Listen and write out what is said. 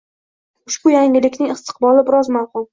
Ushbu yangilikning istiqboli biroz mavhum.